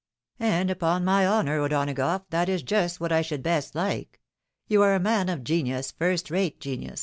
" And upon my honour, O'Donagough, that is just what I should best like. You are a man of genius, first rate genius.